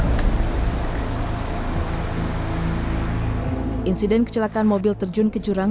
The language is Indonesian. di gunung ijen mau pulang